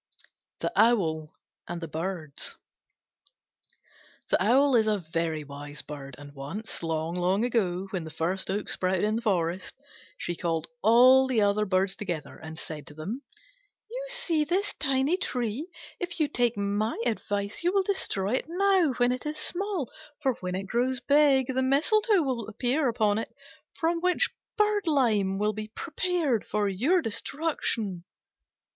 THE OWL AND THE BIRDS The Owl is a very wise bird; and once, long ago, when the first oak sprouted in the forest, she called all the other Birds together and said to them, "You see this tiny tree? If you take my advice, you will destroy it now when it is small: for when it grows big, the mistletoe will appear upon it, from which birdlime will be prepared for your destruction."